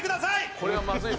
これはまずいぞ。